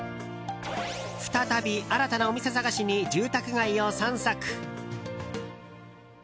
再び新たなお店探しに住宅街を散策。